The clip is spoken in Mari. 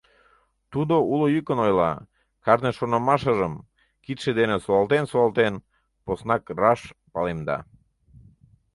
Тудо уло йӱкын ойла, кажне шонымашыжым, кидше дене солалтен-солалтен, поснак раш палемда.